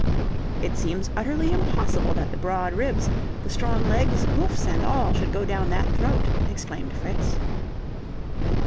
"It seems utterly impossible that the broad ribs, the strong legs, hoofs, and all, should go down that throat," exclaimed Fritz.